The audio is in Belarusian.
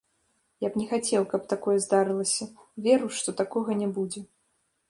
Я б не хацеў, каб такое здарылася, веру, што такога не будзе.